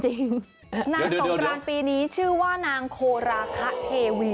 นางสำรานปีนี้ชื่อว่านางโคราคะเทวี